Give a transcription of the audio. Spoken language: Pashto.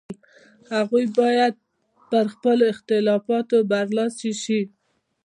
هغوی باید پر خپلو اختلافاتو برلاسي شي.